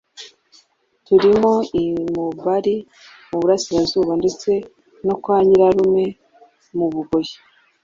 turimo i Mubari mu burasirazuba ndetse no kwa nyirarume mu Bugoyi,